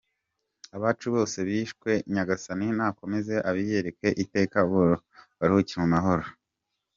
Abacu bose bishwe Nyagasani nakomeze abiyereke iteka baruhukire mu mahoro.